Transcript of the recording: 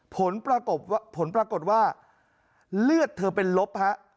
ผลปรากฏว่าเลือดเธอเป็นลบครับ